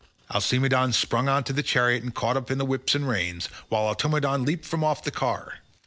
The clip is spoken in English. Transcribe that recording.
Alcimedon sprang on to the chariot, and caught up the whip and reins, while Automedon leaped from off the car.